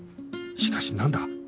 しかしなんだ？